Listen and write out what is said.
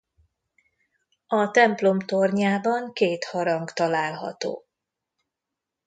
A templom tornyában két harang található.